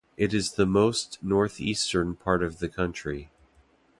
It is the most north-eastern part of the country.